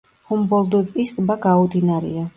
ჰუმბოლდტის ტბა გაუდინარია.